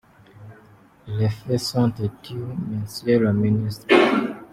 Les faits sont têtus, monsieur le Ministre !